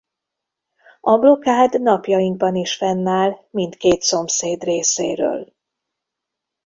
A blokád napjainkban is fennáll mindkét szomszéd részéről.